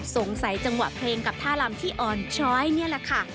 จังหวะเพลงกับท่าลำที่อ่อนช้อยนี่แหละค่ะ